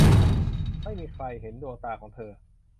ไม่มีใครเห็นดวงตาของเธอ